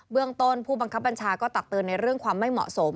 เรื่องต้นผู้บังคับบัญชาก็ตักเตือนในเรื่องความไม่เหมาะสม